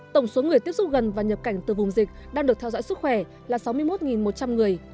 tổng số người tiếp xúc gần và nhập cảnh từ vùng dịch đang được theo dõi sức khỏe là sáu mươi một một trăm linh người